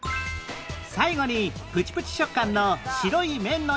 最後にプチプチ食感の白い麺のようなこれ